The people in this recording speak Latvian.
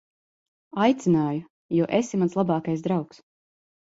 Aicināju, jo esi mans labākais draugs.